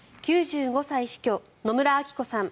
９５歳死去、野村昭子さん